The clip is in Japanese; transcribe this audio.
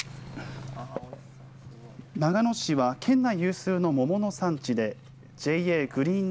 長野市は県内有数の桃の産地でＪＡグリーン